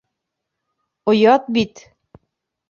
Оят бит!